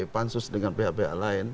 pansus dengan pihak pihak lain